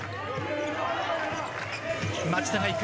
町田がいく。